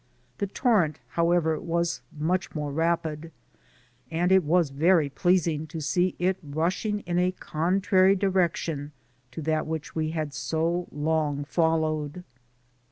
The torrent, however, was much more rapid, and it was very pleasing to see it rushing in a contrary direction to that which we had so long followed.